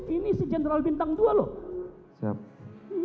ini si jenderal bintang dua loh